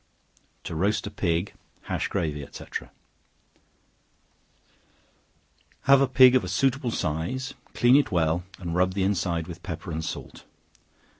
To Roast a Pig Hash Gravy, &c. Have a pig of a suitable size, clean it well, and rub the inside with pepper and salt.